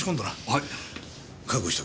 はい。